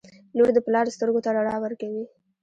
• لور د پلار سترګو ته رڼا ورکوي.